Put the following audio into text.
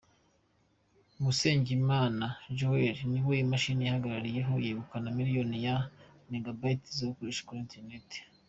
Musengimana Joel niwe imashini yahagarariyeho, yegukana miliyoni ya Megabytes zo gukoresha kuri internet.